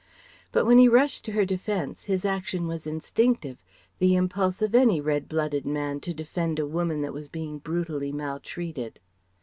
But when he rushed to her defence his action was instinctive, the impulse of any red blooded man to defend a woman that was being brutally maltreated.